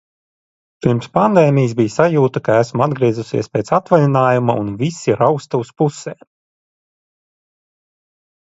Pirms pandēmijas bija sajūta, ka esmu atgriezusies pēc atvaļinājuma un visi rausta uz pusēm.